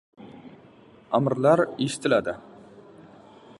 Amrlar eshitiladi: